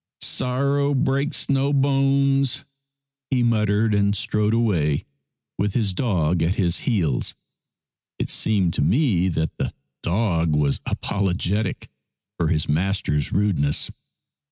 "Sorrow breaks no bones," he muttered, and strode away with his dog at his heels. It seemed to me that the dog was apologetic for his master's rudeness.